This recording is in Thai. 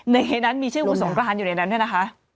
ในนั้นมีชื่อคุณสงกรานอยู่ในนั้นเนี่ยนะคะ